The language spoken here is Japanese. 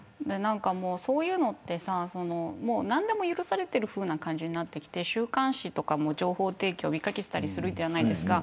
そういうのって何でも許されているふうな感じになってきて週刊誌とかも情報提供を呼び掛けていたりするじゃないですか。